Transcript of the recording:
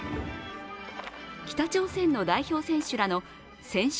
北朝鮮の代表選手らの選手